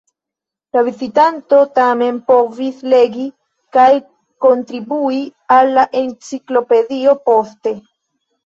La vizitanto tamen povis legi kaj kontribui al la enciklopedio poste.